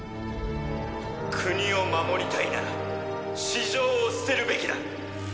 「国を守りたいなら私情を捨てるべきだ」